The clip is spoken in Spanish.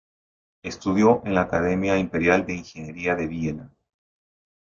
Estudió en la Academia Imperial de Ingeniería de Viena.